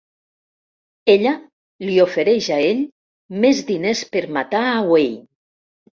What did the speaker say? Ella li ofereix a ell més diners per matar a Wayne.